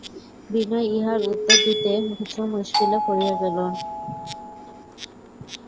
বিনয় ইহার উত্তর দিতে কিছু মুশকিলে পড়িয়া গেল।